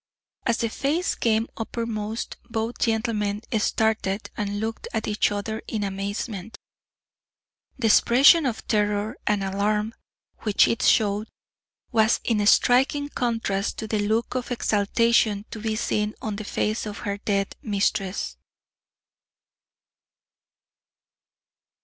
As the face came uppermost both gentlemen started and looked at each other in amazement. The expression of terror and alarm which it showed was in striking contrast to the look of exaltation to be seen on the face of her dead mistress.